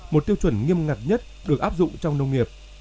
một tiêu chuẩn nghiêm ngặt nhất được áp dụng trong nông nghiệp